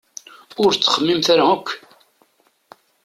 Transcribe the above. Ur ttxemmiment ara akk!